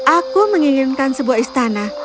aku menginginkan sebuah istana